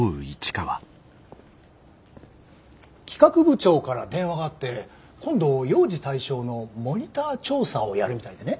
企画部長から電話があって今度幼児対象のモニター調査をやるみたいでね。